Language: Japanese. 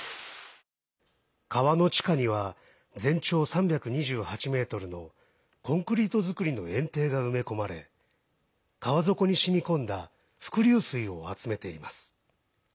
川の地下には全長３２８ｍのコンクリート造りのえん堤が埋め込まれ川底にしみこんだ伏流水を集めています。